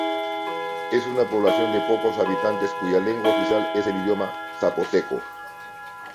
Es una población de pocos habitantes cuya lengua oficial es el idioma zapoteco.